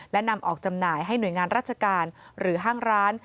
และนำออกจำหน่ายให้หน่วยงานราชการหรือห้างร้าน